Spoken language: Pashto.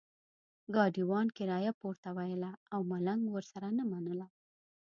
ګاډیوان کرایه پورته ویله او ملنګ ورسره نه منله.